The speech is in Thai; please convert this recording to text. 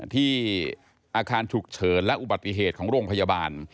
ที่อาคารฉุกเฉินและอุบัติเหตุของโรงพยาบาล